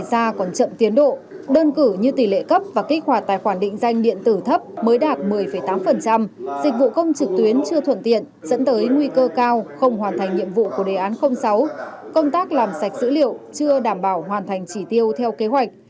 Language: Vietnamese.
công tác đề ra còn chậm tiến độ đơn cử như tỷ lệ cấp và kích hoạt tài khoản định danh điện tử thấp mới đạt một mươi tám dịch vụ không trực tuyến chưa thuận tiện dẫn tới nguy cơ cao không hoàn thành nhiệm vụ của đề án sáu công tác làm sạch dữ liệu chưa đảm bảo hoàn thành chỉ tiêu theo kế hoạch